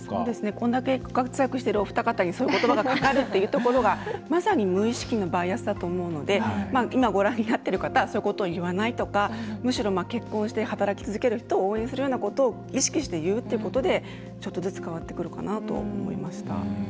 これだけ活躍しているお二方に、そういうことばがかかるというところがまさに無意識のバイアスだと思うので今、ご覧になっている方はそういうことを言わないとかむしろ、結婚して働き続ける人を応援するようなことを意識して言うってことでちょっとずつ変わってくるかなと思いました。